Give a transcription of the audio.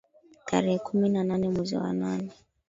Tarehe kumi na nane mwezi wa nane